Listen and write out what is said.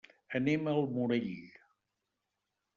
Anem al Morell.